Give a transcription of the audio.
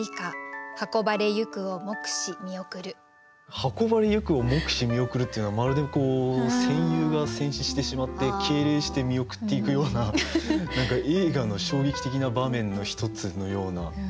「運ばれ行くを黙し見送る」っていうのはまるで戦友が戦死してしまって敬礼して見送っていくような何か映画の衝撃的な場面の一つのような。